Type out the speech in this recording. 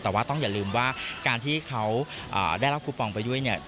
แต่ว่าต้องอย่าลืมว่าการที่เขาได้รับคูปองไปด้วยเนี่ย